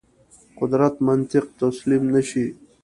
قدرت منطق تسلیم نه شي.